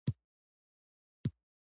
خوب ضروري دی.